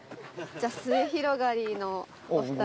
じゃあすゑひろがりのお二人。